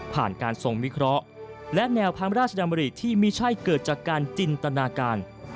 การทรงวิเคราะห์และแนวพระราชดำริที่ไม่ใช่เกิดจากการจินตนาการ